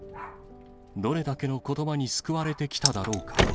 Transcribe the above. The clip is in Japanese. どれだけのことばに救われてきただろうか。